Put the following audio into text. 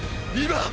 今！